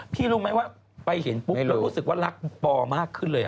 รู้ไหมว่าไปเห็นปุ๊บแล้วรู้สึกว่ารักปอมากขึ้นเลย